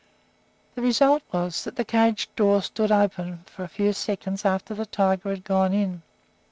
The result was that the cage door stood open for a few seconds after the tiger had gone in.